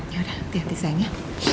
yaudah hati hati sayangnya